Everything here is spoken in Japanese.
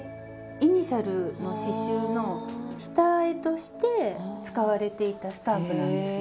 イニシャルの刺しゅうの下絵として使われていたスタンプなんですよ。